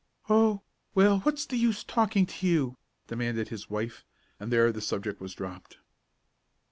"Oh, well, what's the use talking to you?" demanded his wife; and there the subject was dropped.